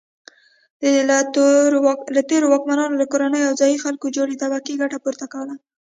له تېرو واکمنانو له کورنیو او ځايي خلکو جوړې طبقې ګټه پورته کوله.